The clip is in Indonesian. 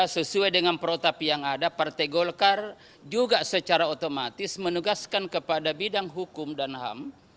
sesuai dengan protap yang ada partai golkar juga secara otomatis menugaskan kepada bidang hukum dan ham